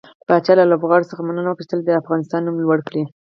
پاچا له لوبغاړو څخه مننه وکړه چې تل يې د افغانستان نوم لوړ کړى.